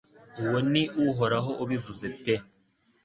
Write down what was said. Uwo ni Uhoraho ubivuze pe